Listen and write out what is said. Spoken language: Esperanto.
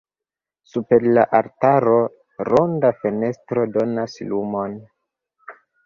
Super la altaro ronda fenestro donas lumon.